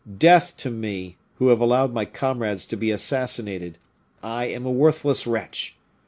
Death to me, who have allowed my comrades to be assassinated. I am a worthless wretch!"